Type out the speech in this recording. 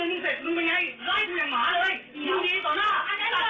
หนุ่มรายเดอร์คนนี้เขาบอกว่าขอพื้นที่ให้กับเขาในสังคมด้วย